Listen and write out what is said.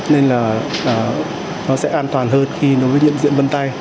nên là nó sẽ an toàn hơn khi đối với nhận diện vân tay